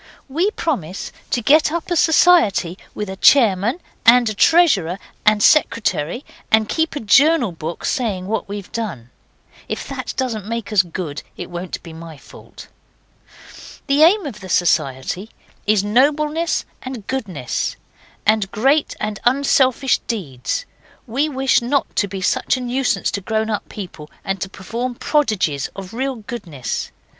'We propose to get up a society, with a chairman and a treasurer and secretary, and keep a journal book saying what we've done. If that doesn't make us good it won't be my fault. 'The aim of the society is nobleness and goodness, and great and unselfish deeds. We wish not to be such a nuisance to grown up people and to perform prodigies of real goodness.